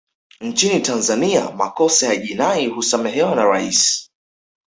nchini tanzania makosa ya jinai husamehewa na rais